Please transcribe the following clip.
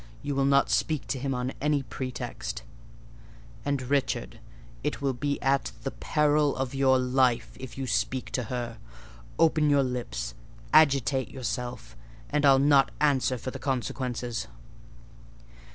You will not speak to him on any pretext—and—Richard, it will be at the peril of your life if you speak to her: open your lips—agitate yourself—and I'll not answer for the consequences."